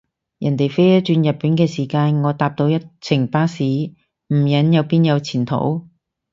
人哋飛一轉日本嘅時間，我搭到一程巴士，唔忍又邊有前途？